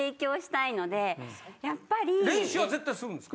練習は絶対するんですか？